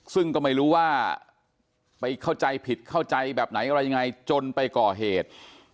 ซึ่งก็ไม่รู้ว่าไปเข้าใจผิดเข้าใจแบบไหนอะไรยังไงจนไปก่อเหตุ